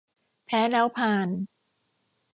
แพ้แล้วพาล